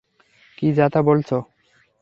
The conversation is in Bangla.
কি যা তা বলছো।